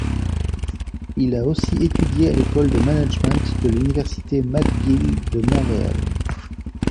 Il a aussi étudié à l’École de Management de l’Université McGill de Montréal.